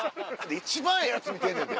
一番ええやつ見てんねんで。